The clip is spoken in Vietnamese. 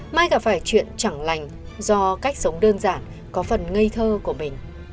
mai gặp phải chuyện chẳng lành do cách sống đơn giản có phần ngây thơ của mình